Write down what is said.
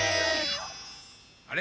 あれ？